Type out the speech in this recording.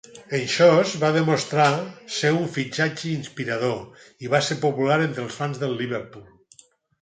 Henchoz va demostrar ser un fitxatge inspirador i va ser popular entre els fans del Liverpool.